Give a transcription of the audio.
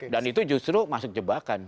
dan itu justru masuk jebakan